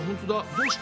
どうして？